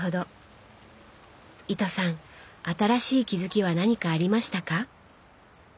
糸さん新しい気づきは何かありましたか？